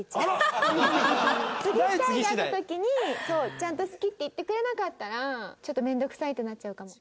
次２人で会った時にちゃんと「好き」って言ってくれなかったらちょっと面倒くさいってなっちゃうかも。